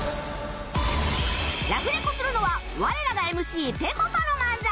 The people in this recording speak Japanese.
ラフレコするのは我らが ＭＣ ぺこぱの漫才